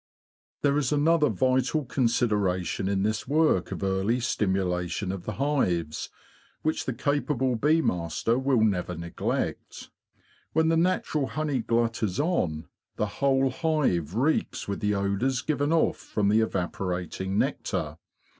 There is another vital consideration in this work of early stimulation of the hives, which the capable bee master will never neglect. When the natural honey glut is on, the whole hive reeks with the odours given off from the evaporating nectar.